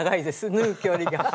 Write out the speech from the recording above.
縫う距離が。